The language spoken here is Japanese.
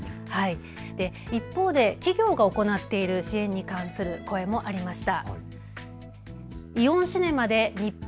一方で企業が行っている支援に関する声もありました。